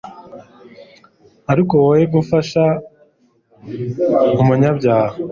ariko woye gufasha umunyabyaha